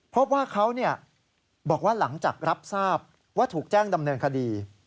พบว่าเขาบอกว่าหลังจากรับทราบว่าถูกแจ้งดำเนินคดี